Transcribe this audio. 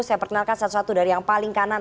saya perkenalkan satu satu dari yang paling kanan